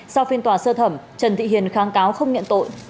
sau phiên tòa sơ thẩm trần thị hiền kháng cáo không nhận tội